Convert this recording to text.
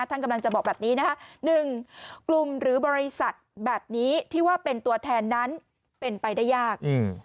ท่านกำลังจะบอกแบบนี้นะคะ๑กลุ่มหรือบริษัทแบบนี้ที่ว่าเป็นตัวแทนนั้นเป็นไปได้ยาก